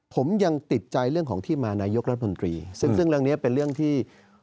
ผมยังติดใจเรื่องของที่มานายกรัฐมนตรีซึ่งซึ่งเรื่องนี้เป็นเรื่องที่